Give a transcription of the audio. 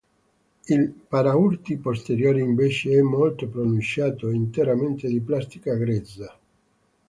Il paraurti posteriore invece è molto pronunciato e interamente di plastica grezza.